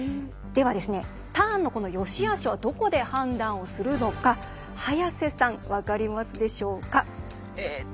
では、このターンのよしあしをどこで判断するのか早瀬さん、分かりますでしょうか。